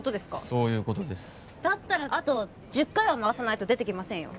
そういうことですだったらあと１０回は回さないと出てきませんよ